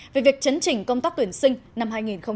về việc chấn chỉnh công tác tuyển sinh năm hai nghìn một mươi chín